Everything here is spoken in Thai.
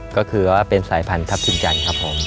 ก็คือว่าเป็นสายพันธับทินจันทร์ครับผม